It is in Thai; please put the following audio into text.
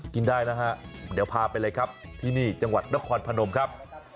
กินได้นะฮะเดี๋ยวพาไปเลยครับที่นี่จังหวัดนครพนมครับ